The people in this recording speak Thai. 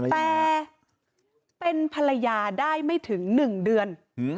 แต่เป็นภรรยาได้ไม่ถึง๑เดือน